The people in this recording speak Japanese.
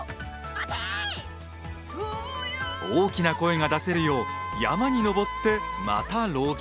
大きな声が出せるよう山に登ってまた浪曲。